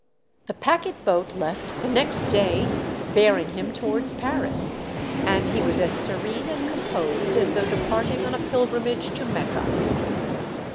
The packet boat left the next day, bearing him towards Paris, and he was as serene and composed as though departing on a pilgrimage to Mecca.